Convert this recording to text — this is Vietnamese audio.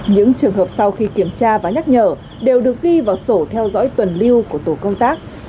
những trường hợp sau khi kiểm tra và nhắc nhở đều được ghi vào sổ theo dõi tuần lưu của tổ công tác